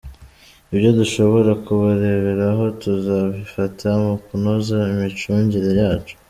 Ibyo dushobora kubareberaho, tuzabifata mu kunoza imicungire yacu.